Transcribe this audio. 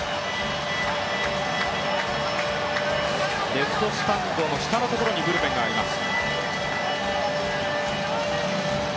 レフトスタンドの下のところにブルペンがあります。